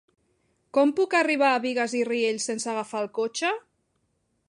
Com puc arribar a Bigues i Riells sense agafar el cotxe?